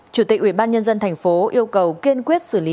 chủ tịch ủy ban nhân dân thành phố yêu cầu kiên quyết xử lý